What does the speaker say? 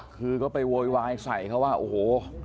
คือก็ไปโวยวายใส่เขาว่าโอ้โห